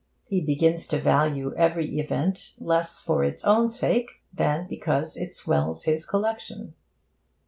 He begins to value every event less for its own sake than because it swells his collection.